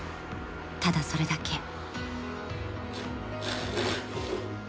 ［ただそれだけ］